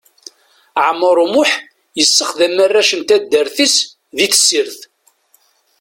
Ɛmer Umuḥ yessexdam arrac n taddart-is di tessirt.